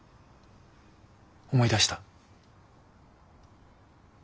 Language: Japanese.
思い出した。